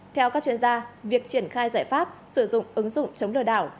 theo các chuyên gia việc triển khai giải pháp sử dụng ứng dụng chống lừa đảo